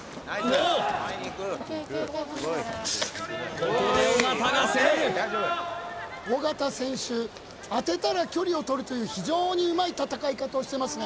ここで尾形が攻める尾形選手当てたら距離を取るという非常にうまい戦い方をしてますね